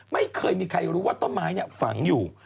ไม่เคยมีใครรู้ว่าต้นไม้ฝังอยู่